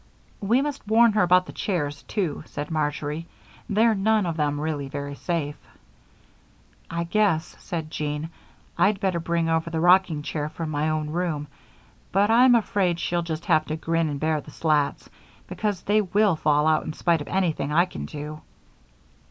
"We must warn her about the chairs, too," said Marjory. "They're none of them really very safe." "I guess," said Jean, "I'd better bring over the rocking chair from my own room, but I'm afraid she'll just have to grin and bear the slats, because they will fall out in spite of anything I can do."